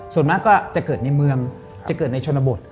ส่วนมากก็จะเกิดในเมืองจะเกิดในชนบท